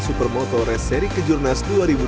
super moto raceri kejurnas dua ribu dua puluh tiga